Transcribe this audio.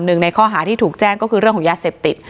ในข้อหาที่ถูกแจ้งก็คือเรื่องของยาเสพติด